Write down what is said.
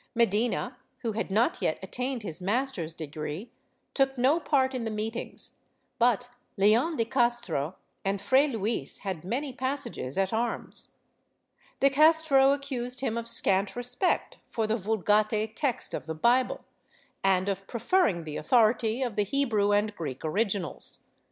Medina, who had not yet attained his master's degree, took no part in the meetings, but Leon de Castro and Fray Luis had many passages at arms. De Castro accused him of scant respect for the Vulgate text of the Bible, and of preferring the authority of the Hebrew and Greek originals.